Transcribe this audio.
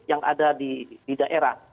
yang ada di daerah